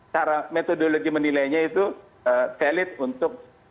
cara metodologi menilainya itu sudah di cek oleh badan pom negara itu untuk memastikan